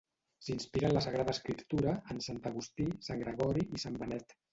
S'inspira en la Sagrada Escriptura, en sant Agustí, sant Gregori i sant Benet.